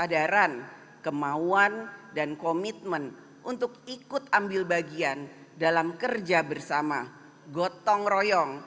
kesadaran kemauan dan komitmen untuk ikut ambil bagian dalam kerja bersama gotong royong